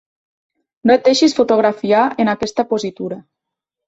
No et deixis fotografiar en aquesta positura.